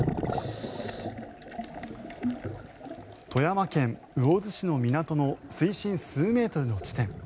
富山県魚津市の港の水深数メートルの地点。